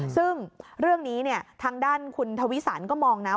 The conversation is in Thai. ซึ่งเรื่องนี้ทางด้านคุณทวิสันก็มองนะ